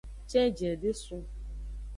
Cenjie de sun o.